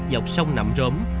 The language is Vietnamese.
dọc sông nằm rốm